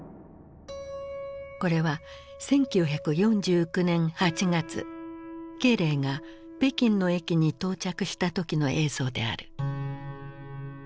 これは１９４９年８月慶齢が北京の駅に到着した時の映像である。